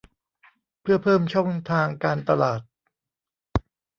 เพื่อเพิ่มช่องทางการตลาด